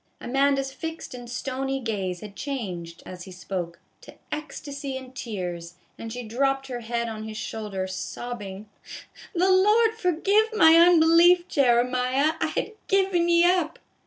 Amanda's fixed and stony gaze had changed, as he spoke, to ecstasy and tears, and she dropped her head on his shoulder, sobbing, " The Lord forgive my unbelief, Jeremiah. I had given ye up."